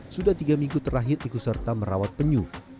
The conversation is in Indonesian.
sudah tiga minggu terakhir ikut serta merawat penyu